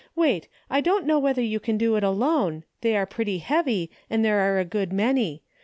Wait, I don't know whether you can do it alone, they are pretty heavy and there are a good many.